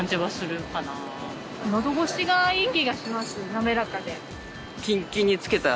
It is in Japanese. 滑らかで。